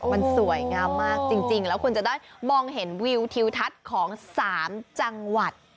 มันสวยงามมากจริงแล้วคุณจะได้มองเห็นวิวทิวทัศน์ของ๓จังหวัด